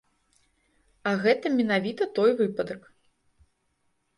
А гэта менавіта той выпадак.